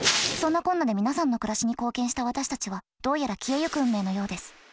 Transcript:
そんなこんなで皆さんの暮らしに貢献した私たちはどうやら消えゆく運命のようです。